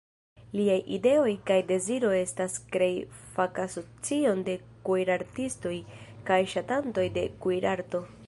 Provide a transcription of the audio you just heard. Liaj ideo kaj deziro estas krei fakasocion de kuirartistoj kaj ŝatantoj de kuirarto.